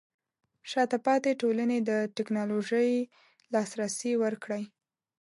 شاته پاتې ټولنې ته د ټیکنالوژۍ لاسرسی ورکړئ.